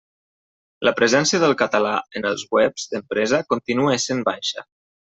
La presència del català en els webs d'empresa continua essent baixa.